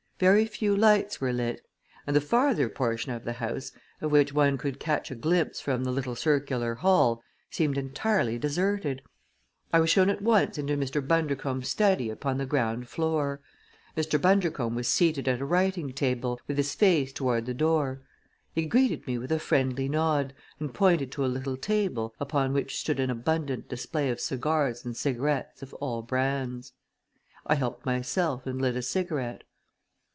Very few lights were lit and the farther portion of the house, of which one could catch a glimpse from the little circular hall, seemed entirely deserted. I was shown at once into Mr. Bundercombe's study upon the ground floor. Mr. Bundercombe was seated at a writing table, with his face toward the door. He greeted me with a friendly nod and pointed to a little table upon which stood an abundant display of cigars and cigarettes of all brands. I helped myself and lit a cigarette.